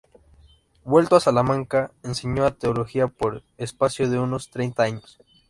Vuelto a Salamanca, enseñó teología por espacio de unos treinta años.